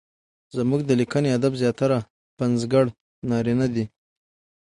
زموږ د ليکني ادب زياتره پنځګر نارينه دي؛